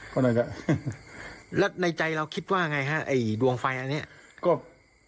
ดวงไฟนั่นในใจเราคิดว่าไงครับ